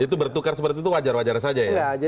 itu bertukar seperti itu wajar wajar saja ya